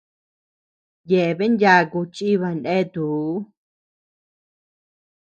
Yebean yaaku chíba neatuu.